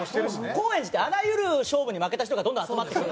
高円寺ってあらゆる勝負に負けた人がどんどん集まってくる。